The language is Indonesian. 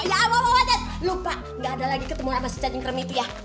oh iya mama mama tad lupa gak ada lagi ketemu sama si cacing krem itu ya